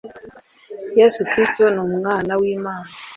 yesu kristo ni umwana w imana.